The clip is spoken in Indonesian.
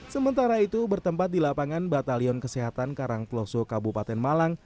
sementara itu bertempat di lapangan batalion kesehatan karangploso kabupaten malang